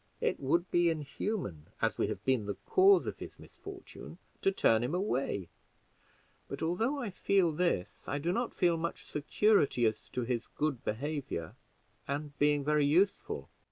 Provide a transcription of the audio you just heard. It would be inhuman, as we have been the cause of his misfortune, to turn him away; but although I feel this, I do not feel much security as to his good behavior and being very useful.